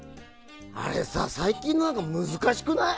あれさ、最近のやつ難しくない？